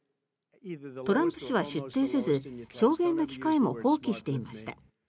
トランプ氏は出廷せず証言の機会も放棄していました。